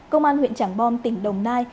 công an huyện trảng bom tỉnh đồng nai